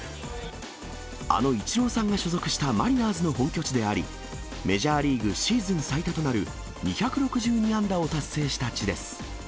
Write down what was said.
あのイチローさんが所属したマリナーズの本拠地であり、メジャーリーグシーズン最多となる、２６２安打を達成した地です。